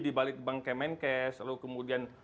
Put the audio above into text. di balik bank kemenkes lalu kemudian